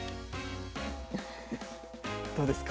どうですか？